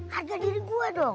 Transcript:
harga diri gue dong